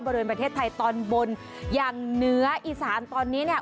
บริเวณประเทศไทยตอนบนอย่างเหนืออีสานตอนนี้เนี่ย